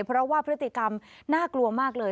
เพราะว่าพฤติกรรมน่ากลัวมากเลย